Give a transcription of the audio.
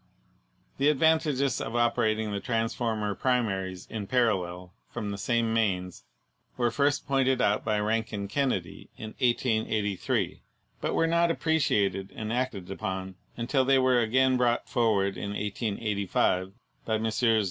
The advantages of operating the transformer primaries in parallel from the same mains were first pointed out by Rankin Kennedy in 1883, but were not appreciated and acted upon until they were again brought forward in 1885 by Messrs.